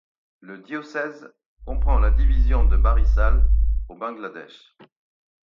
Le diocèse comprend la division de Barisal au Bangladesh.